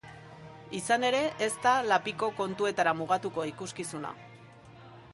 Izan ere, ez da lapiko kontuetara mugatuko ikuskizuna.